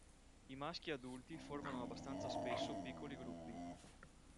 I maschi adulti formano abbastanza spesso piccoli gruppi.